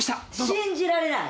信じられない！